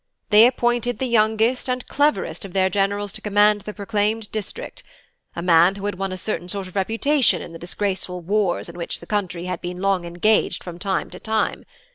They appointed the youngest and cleverest of their generals to command the proclaimed district; a man who had won a certain sort of reputation in the disgraceful wars in which the country had been long engaged from time to time.